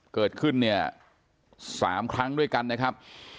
เกิดขึ้นเนี่ย๓ครั้งด้วยกันนะครับ